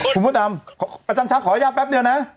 คุณพุทธอำประจำชักขออนุญาตแป๊บเดียวนะ